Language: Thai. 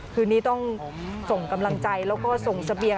คืนนี้ต้องส่งกำลังใจแล้วก็ส่งเสบียง